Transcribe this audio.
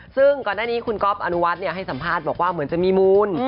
ซึ่งก่อนหน้านี้คุณก๊อฟอนุวัฒน์ให้สัมภาษณ์บอกว่าเหมือนจะมีมูล